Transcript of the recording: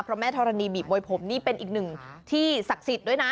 แม่ธรณีบีบมวยผมนี่เป็นอีกหนึ่งที่ศักดิ์สิทธิ์ด้วยนะ